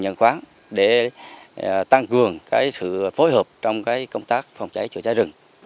nhân khoán để tăng cường sự phối hợp trong công tác phòng cháy chữa cháy rừng